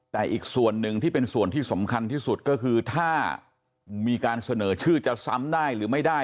แต่อีกส่วนหนึ่งที่เป็นส่วนที่สำคัญที่สุดก็คือถ้ามีการเสนอชื่อจะซ้ำได้หรือไม่ได้